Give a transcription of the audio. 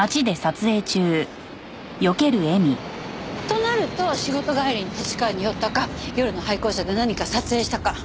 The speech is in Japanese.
となると仕事帰りに立川に寄ったか夜の廃校舎で何か撮影したか。